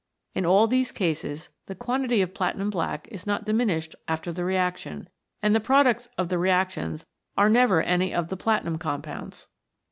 In all these cases the quantity of platinum black is not diminished after the reaction, and the products of the reactions are never any of the platinum compounds.